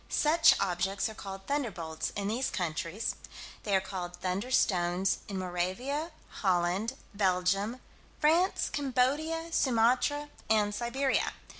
Such objects are called "thunderbolts" in these countries. They are called "thunderstones" in Moravia, Holland, Belgium, France, Cambodia, Sumatra, and Siberia.